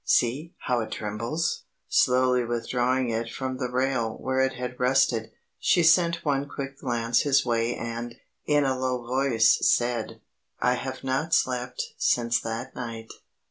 see, how it trembles!" Slowly withdrawing it from the rail where it had rested, she sent one quick glance his way and, in a low voice, said: "I have not slept since that night."